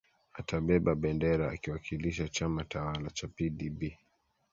atabeba bendera akiwakilisha chama tawala cha pdb